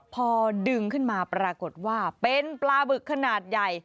พอดึงขึ้นมาปรากฏว่าเป็นปลาบึกขนาดใหญ่